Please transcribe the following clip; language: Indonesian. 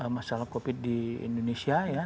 masalah covid di indonesia ya